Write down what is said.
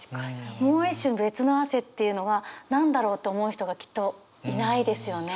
「もう一種べつの汗」っていうのが何だろうって思う人がきっといないですよね。